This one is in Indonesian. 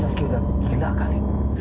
saskia udah gila kali ibu